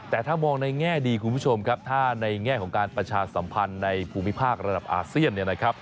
แต่ถ้ามองในแง่ดีคุณผู้ชมครับถ้าในแง่ของการประชาสัมพันธ์ในภูมิภาคระดับอาเซียนเนี่ยนะครับ